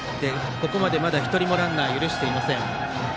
ここまで、まだ１人もランナー許していません。